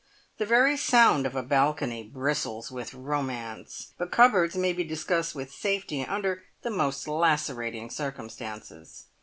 The very sound of a balcony bristles with romance, but cupboards may be discussed with safety under the most lacerating circumstances.